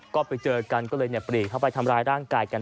ก็ไปเจอกันก็เลยปรีเข้าไปทำร้ายร่างกายกัน